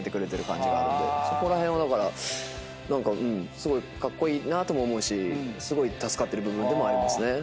そこら辺はだからすごいカッコイイなとも思うしすごい助かってる部分でもありますね。